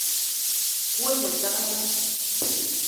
Nkou o ne tank ya ?